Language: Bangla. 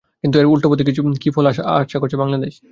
কিন্তু এর উল্টো পথে চলে কী ফল পাওয়ার আশা করছে বাংলাদেশ